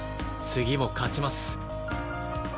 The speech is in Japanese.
次も勝ちます。